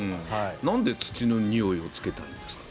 なんで土のにおいをつけたいんですかね。